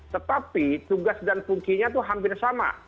tetapi tugas dan fungsinya itu hampir sama